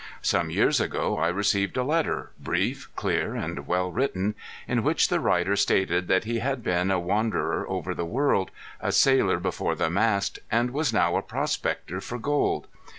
Some years ago I received a letter, brief, clear and well written, in which the writer stated that he had been a wanderer over the world, a sailor before the mast, and was now a prospector for gold.